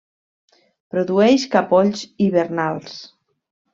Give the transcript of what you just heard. Produeix capolls hivernals.